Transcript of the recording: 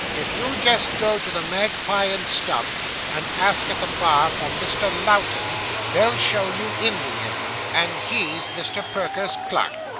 If you just go to the Magpie and Stump, and ask at the bar for Mr. Lowten, they'll show you in to him, and he's Mr. Perker's clerk.